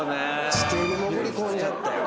地底に潜り込んじゃったよ。